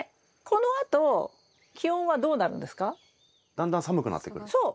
だんだん寒くなってくる。